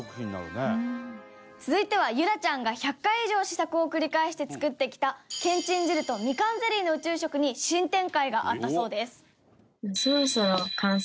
続いては結桜ちゃんが１００回以上試作を繰り返して作ってきたけんちん汁とみかんゼリーの宇宙食に新展開があったそうです。